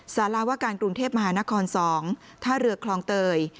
สาราวการกรุงเทพมหานคร๒ท่าเรือคลองเตย